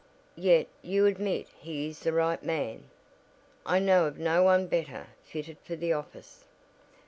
"Yet you admit he is the right man?" "I know of no one better fitted for the office."